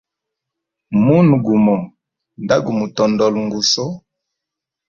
Munwe gumo nda gu mutondola nguso.